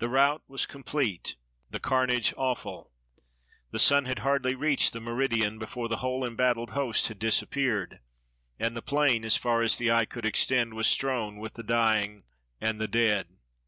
The rout was complete, the carnage awful. The sun had hardly reached the meridian before the whole embattled host had disappeared, and the plain, as far as the eye could extend, was strewn with the dying and the dead.